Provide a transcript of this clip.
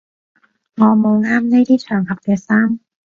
我冇啱呢啲場合嘅衫